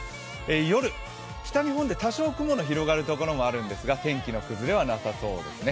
夜、北日本で多少雲の広がるところもあるんですが、天気の崩れはなさそうですね。